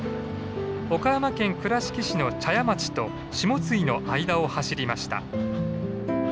岡山県倉敷市の茶屋町と下津井の間を走りました。